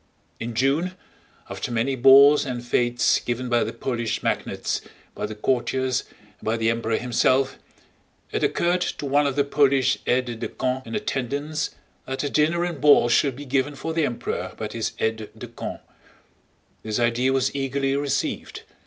In June, after many balls and fetes given by the Polish magnates, by the courtiers, and by the Emperor himself, it occurred to one of the Polish aides de camp in attendance that a dinner and ball should be given for the Emperor by his aides de camp. This idea was eagerly received.